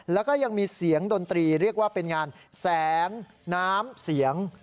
แล้วก็ยังมีเสียงดนตรีเรียกว่าเป็นงานแสงน้ำเสียง